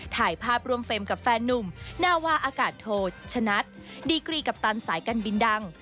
ถ่ายภาพร่วมเฟรมกับแฟนนุ่มนาวาอากาศโทชนัดดีกรีกัปตันสายการบินดัง